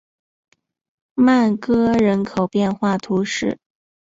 曼戈人口变化图示